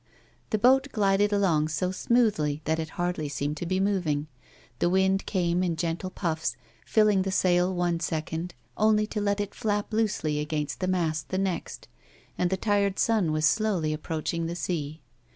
The boat glided along so smoothly that it hardly seemed to be moving ; the wind came in gentle puffs filling the sail one second only to let it flap loosely against the mast the next, and the tired sun was slowly approaching the sea.